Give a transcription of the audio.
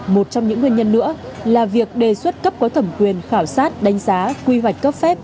một trong những nguyên nhân nữa là việc đề xuất cấp có thẩm quyền khảo sát đánh giá quy hoạch cấp phép